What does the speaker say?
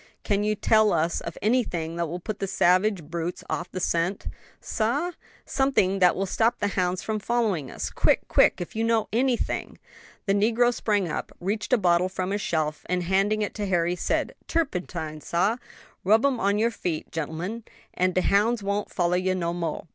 Can you tell us of anything that will put the savage brutes off the scent?" "Sah?" "Something that will stop the hounds from following us quick, quick! if you know anything." The negro sprang up, reached a bottle from a shelf, and handing it to Harry, said, "Turpentine, sah; rub um on your feet, gen'lemen, an' de hounds won't follah you no moah.